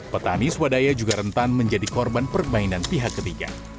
petani swadaya juga rentan menjadi korban permainan pihak ketiga